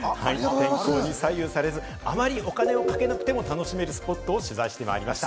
天候に左右されず、あまりお金をかけなくても楽しめるスポットを取材してきました。